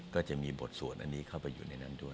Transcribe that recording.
ก็จะมีบทสวดอันนี้เข้าไปอยู่ในนั้นด้วย